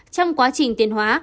trong quá trình tiến hóa